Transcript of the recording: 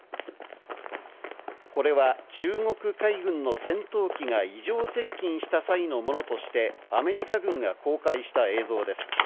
これは中国海軍の戦闘機が異常接近した際のものとして、アメリカ軍が公開した映像です。